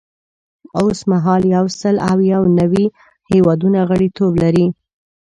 اوس مهال یو سل او یو نوي هیوادونه غړیتوب لري.